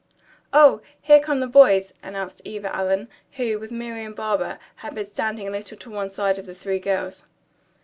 "Oh, here come the boys!" announced Eva Allen, who, with Marian Barber, had been standing a little to one side of the three girls.